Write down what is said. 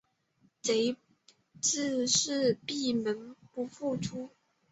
贼自是闭门不复出。